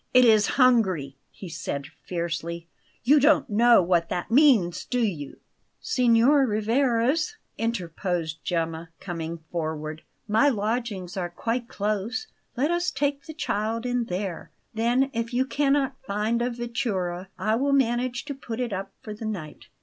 "It is hungry," he said fiercely. "You don't know what that means, do you?" "Signor Rivarez," interposed Gemma, coming forward, "my lodgings are quite close. Let us take the child in there. Then, if you cannot find a vettura, I will manage to put it up for the night."